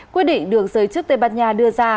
quyết định được giới chức tây ban nha đưa ra